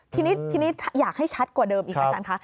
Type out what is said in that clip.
ทีนี้อยากให้ชัดกว่าเดิมอีกครับอาจารย์คะ